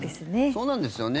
そうなんですよね。